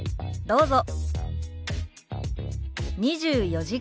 どうぞ。